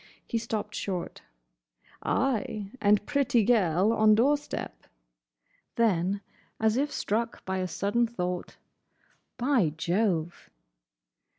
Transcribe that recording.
He stopped short. "Ay, and pretty gel on door step." Then, as if struck by a sudden thought, "By Jove!"